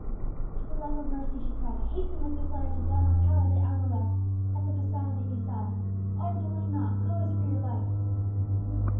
"For the love of mercy," she cried, "hasten with this letter to Don Alcala de Aguilera, at the Posada de Quesada. Oh, delay not; go as for your life!"